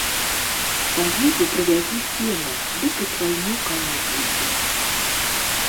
Паеду прывязу сена, дык і твайму каню будзе.